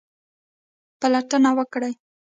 پلټنه وکړئ